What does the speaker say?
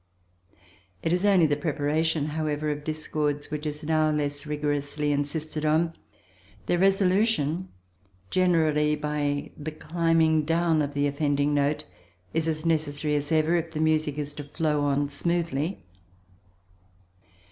It is only the preparation, however, of discords which is now less rigorously insisted on; their resolution—generally by the climbing down of the offending note—is as necessary as ever if the music is to flow on smoothly.